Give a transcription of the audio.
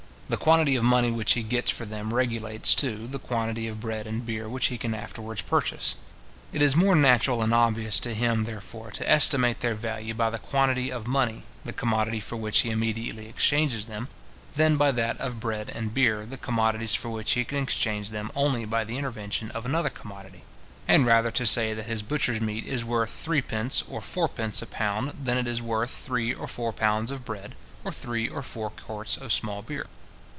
The quantity of money which he gets for them regulates, too, the quantity of bread and beer which he can afterwards purchase. It is more natural and obvious to him, therefore, to estimate their value by the quantity of money, the commodity for which he immediately exchanges them, than by that of bread and beer, the commodities for which he can exchange them only by the intervention of another commodity; and rather to say that his butcher's meat is worth three pence or fourpence a pound, than that it is worth three or four pounds of bread, or three or four quarts of small beer.